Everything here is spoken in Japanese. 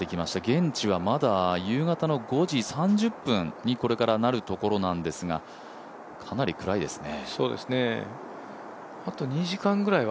現地はまだ夕方の５時３０分にこれからなるところなんですが、かなり暗いですね。